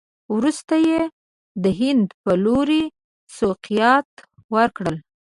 وروسته یې د هند په لوري سوقیات وکړل.